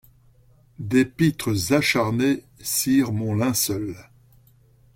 Des pitres acharnés cirent mon linceul.